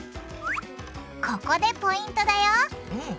ここでポイントだよ。